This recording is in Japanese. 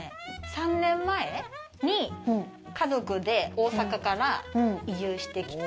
３年前に家族で大阪から移住してきて。